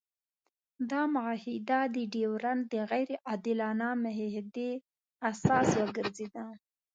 دا معاهده د ډیورنډ د غیر عادلانه معاهدې اساس وګرځېده.